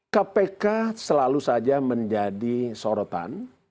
kpk selalu saja menjadi sorotan